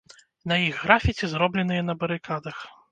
На іх графіці, зробленыя на барыкадах.